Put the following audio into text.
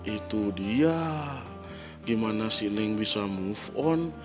itu dia gimana si link bisa move on